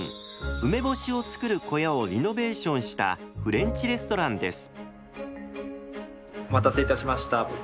梅干しを作る小屋をリノベーションしたフレンチレストランです。